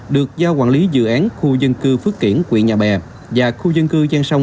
được giao quản lý dự án khu dân cư phước kiển quỹ nhà bè và khu dân cư giang sông